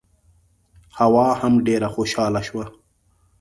حوا هم ډېره خوشاله شوه.